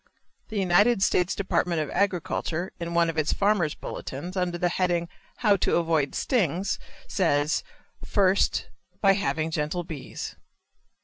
The United States Department of Agriculture, in one of its "Farmer's Bulletins," under the heading, "How to Avoid Stings," says, "First, by having gentle bees."